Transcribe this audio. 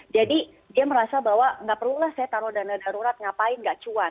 jadi dia merasa bahwa nggak perlulah saya taruh dana darurat ngapain nggak cuan